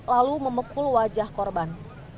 lalu memukul wajah korban